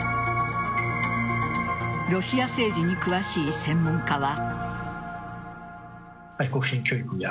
ロシア政治に詳しい専門家は。